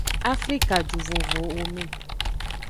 Afrikajuvovowome.